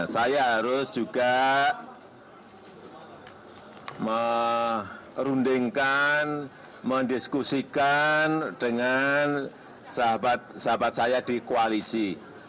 saya harus juga merundingkan mendiskusikan dengan sahabat sahabat saya di koalisi